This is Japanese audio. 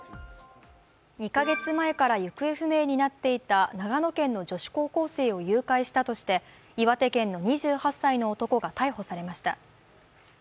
２か月前から行方不明になっていた長野県の女子高校生を誘拐したとして、岩手県の２８歳の男が逮捕されました。